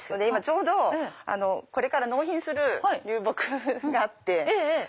今ちょうどこれから納品する流木があって。